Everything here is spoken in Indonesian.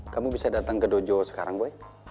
kamu bisa datang ke dojo sekarang boy